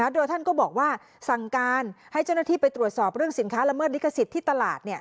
โดยท่านก็บอกว่าสั่งการให้เจ้าหน้าที่ไปตรวจสอบเรื่องสินค้าละเมิดลิขสิทธิ์ที่ตลาด